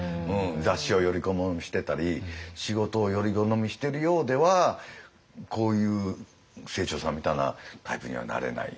雑誌をより好みしてたり仕事をより好みしてるようではこういう清張さんみたいなタイプにはなれない。